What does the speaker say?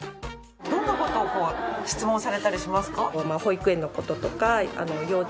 どんな事を質問されたりしますか？